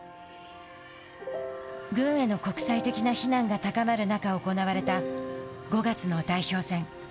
軍への国際的な非難が高まる中行われた５月の代表戦。